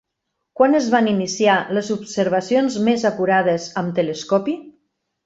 Quan es van iniciar les observacions més acurades amb telescopi?